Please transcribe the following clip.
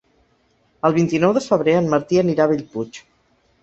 El vint-i-nou de febrer en Martí anirà a Bellpuig.